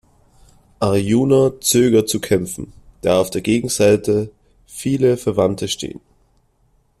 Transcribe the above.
Arjuna zögert zu kämpfen, da auf der Gegenseite viele Verwandte stehen.